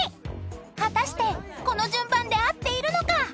［果たしてこの順番で合っているのか？］